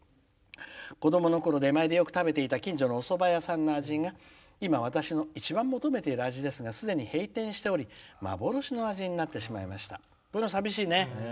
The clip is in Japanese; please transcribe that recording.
子どものころ、出前でよく食べていた、近所のおそば屋さんの味が今、私の一番求めている味ですがすでに閉店しており幻の味になってしまいました。